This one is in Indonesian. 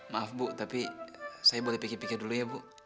maaf bu tapi saya boleh pikir pikir dulu ya bu